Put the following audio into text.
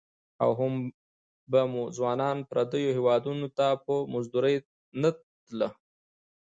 او هم به مو ځوانان پرديو هيوادنو ته په مزدورۍ نه تلى.